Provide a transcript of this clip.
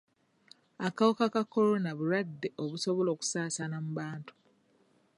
Akawuka ka kolona bulwadde obusobola okusaasaana mu bantu.